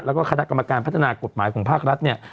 แล้วก็คณะกรรมการพัฒนากฎหมายของภาครัฐเนี่ย